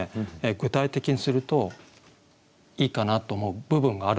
具体的にするといいかなと思う部分があるんですよ。